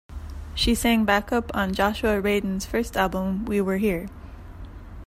She sang backup on Joshua Radin's first album "We Were Here".